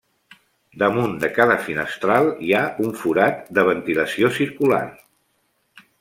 Damunt de cada finestral hi ha un forat de ventilació circular.